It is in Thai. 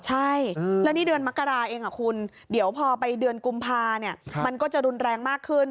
ใช่แล้วนี่เดือนมกราเองคุณเดี๋ยวพอไปเดือนกุมภามันก็จะรุนแรงมากขึ้น